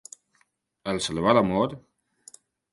El salva l'amor?